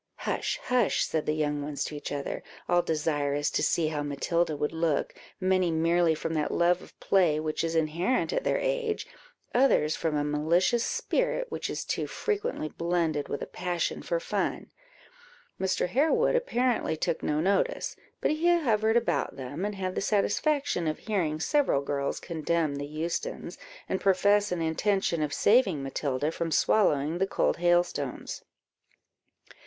"Hush, hush!" said the young ones to each other, all desirous to see how Matilda would look, many merely from that love of play which is inherent at their age, others from a malicious spirit which is too frequently blended with a passion for fun. Mr. Harewood apparently took no notice, but he hovered about them, and had the satisfaction of hearing several girls condemn the Eustons, and profess an intention of saving Matilda from swallowing the cold hailstones.